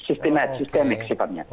sistematik sistemik sifatnya